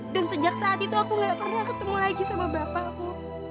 dan sejak saat itu aku gak pernah ketemu lagi sama bapakku